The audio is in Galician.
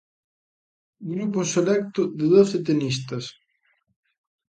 Grupo selecto de doce tenistas.